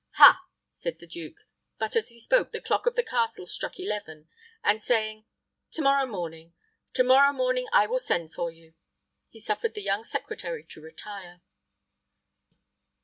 "Ha!" said the duke; but as he spoke the clock of the castle struck eleven, and saying, "To morrow morning to morrow morning I will send for you," he suffered the young secretary to retire.